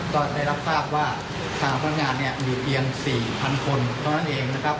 ก็ได้รับภาพว่าค้าพนักงานอยู่เพียง๔๐๐๐คนเพราะฉะนั้นเองนะครับ